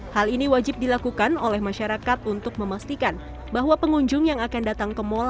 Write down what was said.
hal ini wajib dilakukan oleh masyarakat untuk memastikan bahwa pengunjung yang akan datang ke mall